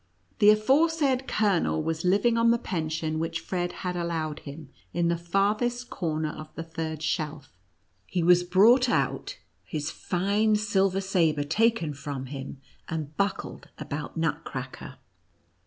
The aforesaid colonel was living on the pension which Fred had allowed him, in the farthest corner of the third shelf. He was brought out, his fine silver sabre taken from him, and buckled about Nutcracker.